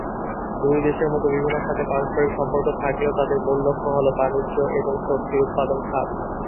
দুই দেশের মধ্যে বিভিন্ন খাতে পারস্পরিক সম্পর্ক থাকলেও, তাদের মূল লক্ষ্য হল বাণিজ্য এবং শক্তি উৎপাদন খাত।